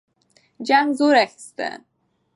جنګ زور اخیسته.